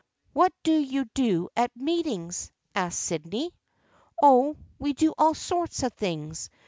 " What do you do at the meetings ?" asked Sydney. " Oh, we do all sorts of things.